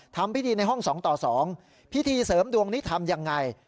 ทำพิธีในห้อง๒ต่อ๒พิธีเสริมดวงนี้ทำยังไง